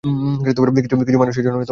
কিছু মানুষের জন্য সেটাই যথেষ্ট।